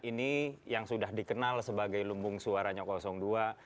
ini yang sudah dikenal sebagai lumbung suara nyokosong ii